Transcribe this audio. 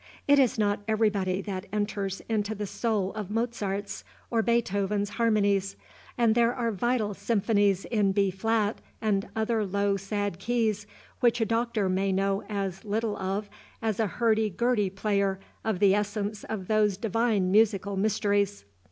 It is not everybody that enters into the soul of Mozart's or Beethoven's harmonies; and there are vital symphonies in B flat, and other low, sad keys, which a doctor may know as little of as a hurdy gurdy player of the essence of those divine musical mysteries.